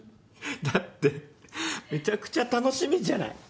だってめちゃくちゃ楽しみじゃない。